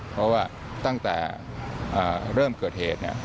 เพราะว่าตั้งแต่เริ่มเกิดเหตุ